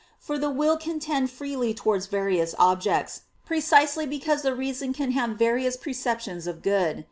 For the will can tend freely towards various objects, precisely because the reason can have various perceptions of good.